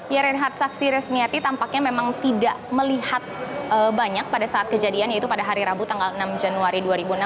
ya reinhardt saksi resmiati tampaknya memang tidak melihat banyak pada saat kejadian yaitu pada hari rabu tanggal enam januari dua ribu enam belas